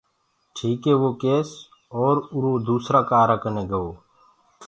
ٺيڪ هي وه ڪيس اور اُرو دوُسرآ ڪآرآ ڪني گو۔